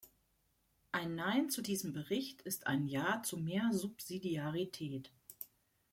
Ein Nein zu diesem Bericht ist ein Ja zu mehr Subsidiarität.